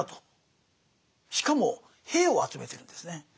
しかも兵を集めてるんですね。